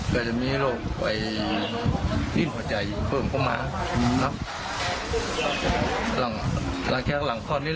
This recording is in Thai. ก็จะมีโรคอิงหัวใจเพิ่มเข้ามาแล้วก็ล่าแคล็ดหลังคอนได้แล้ว